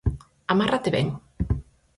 Amárrate ben